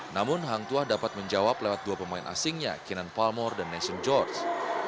namun hangtua dapat menjawab lewat dua pemain asingnya kinen palmer dan nashon george